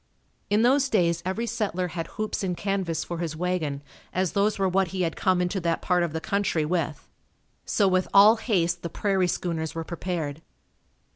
In those days every settler had hoops and canvas for his wagon, as those were what he had come into that part of the country with. So with all haste the "prairie schooners" were prepared.